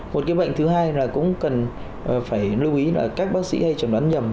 một bệnh thứ hai cũng cần phải lưu ý là các bác sĩ hay trần đoán nhầm